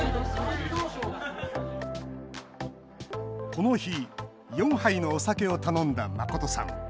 この日、４杯のお酒を頼んだマコトさん。